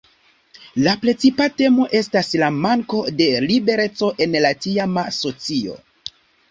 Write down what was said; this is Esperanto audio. La precipa temo estas la manko de libereco en la tiama socio.